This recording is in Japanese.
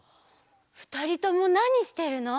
ふたりともなにしてるの？